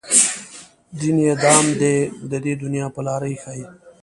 دین یې دام دی د دنیا په لاره ایښی.